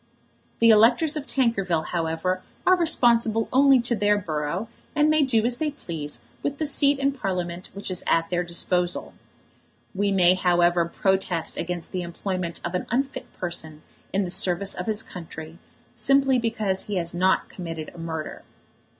The electors of Tankerville, however, are responsible only to their borough, and may do as they please with the seat in Parliament which is at their disposal. We may, however, protest against the employment of an unfit person in the service of his country, simply because he has not committed a murder.